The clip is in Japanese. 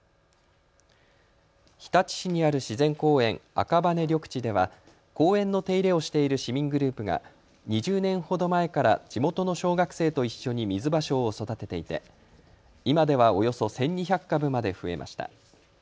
日立市にある自然公園、赤羽緑地では公園の手入れをしている市民グループが２０年ほど前から地元の小学生と一緒にミズバショウを育てていて今ではおよそ１２００株まで増えました。